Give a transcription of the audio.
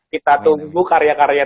kita tunggu karya karya